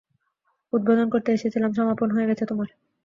উদ্বোধন করতে এসেছিলাম, সমাপন হয়ে গেছে তোমার।